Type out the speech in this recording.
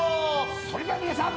それでは皆さん。